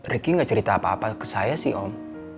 ricky gak cerita apa apa ke saya sih om